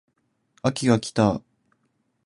秋が来た